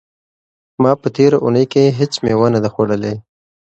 ما په تېره اونۍ کې هیڅ مېوه نه ده خوړلې.